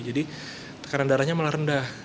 jadi tekanan darahnya malah rendah